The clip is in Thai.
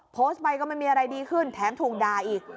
โพสต์ไปก็ไม่มีอะไรดีขึ้นแถมถูกด่าอีก